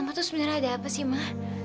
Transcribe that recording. mama tuh sebenarnya ada apa sih mah